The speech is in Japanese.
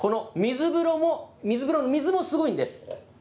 この水風呂も、水風呂の水もすごいんです。